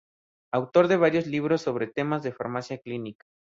Autor de varios libros sobre temas de Farmacia Clínica.